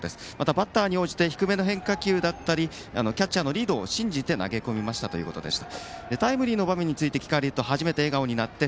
バッターに応じて低めの変化球だったりキャッチャーのリードを信じて投げ込みましたということでした。